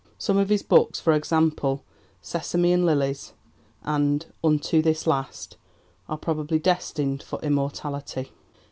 Some of his books, for example Sesame and Lilies and Unto this Last, are probably destined for immortality.